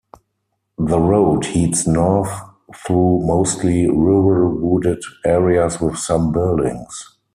The road heads north through mostly rural wooded areas with some buildings.